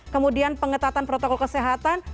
kemudian pengetatan protokol kesehatan